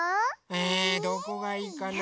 えどこがいいかな？